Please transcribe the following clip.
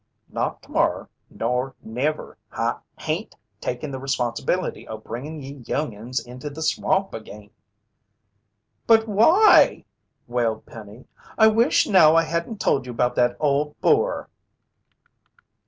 "Not tomorrer nor never. I hain't takin' the responsibility o' bringin' ye young'uns into the swamp agin." "But why?" wailed Penny. "I wish now I hadn't told you about that old boar!"